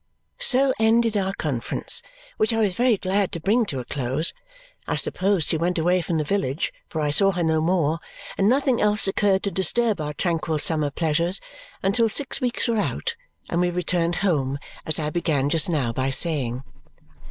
So ended our conference, which I was very glad to bring to a close. I supposed she went away from the village, for I saw her no more; and nothing else occurred to disturb our tranquil summer pleasures until six weeks were out and we returned home as I began just now by saying.